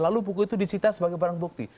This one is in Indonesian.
lalu buku itu disita sebagai barang bukti